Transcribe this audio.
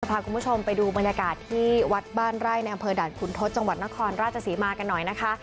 พาคุณผู้ชมไปดูบรรยากาศที่วัดบ้านไร่ในอำเภอด่านขุนทศจังหวัดนครราชศรีมากันหน่อยนะคะ